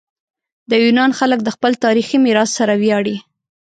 د یونان خلک د خپل تاریخي میراث سره ویاړي.